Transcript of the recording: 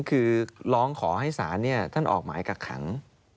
คือร้องขอให้ศาลท่านออกหมายกักขัง